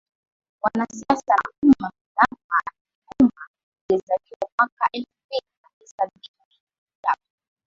wanasiasa na ummafilamu Maadui Umma alizaliwa mwaka elfu mbili na tisa Billi Krudap